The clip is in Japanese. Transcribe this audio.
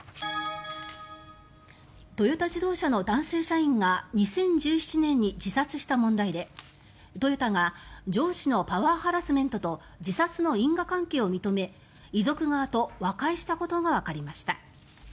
トヨタ自動車の男性社員が２０１７年に自殺した問題でトヨタが上司のパワーハラスメントと自殺の因果関係を認め遺族側と和解したことがわかりました。